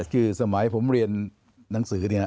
คือสมัยผมเรียนหนังสือเนี่ย